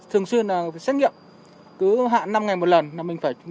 thường xuyên là xét nghiệm cứ hạn năm ngày một lần là mình phải